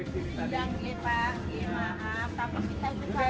liling dari sini tadi maaf